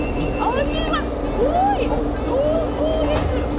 味が濃い、濃厚です。